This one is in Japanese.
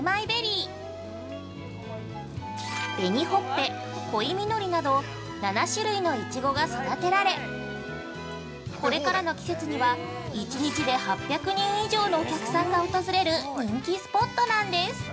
紅ほっぺ、恋みのりなど７種類のいちごが育てられ、これからの季節には１日で８００人以上のお客さんが訪れる人気スポットなんです！